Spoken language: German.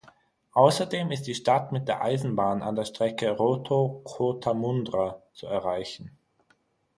Außerdem ist die Stadt mit der Eisenbahn an der Strecke Roto-Cootamundra zu erreichen.